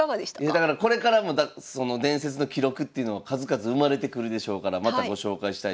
だからこれからもその伝説の記録っていうのは数々生まれてくるでしょうからまたご紹介したい。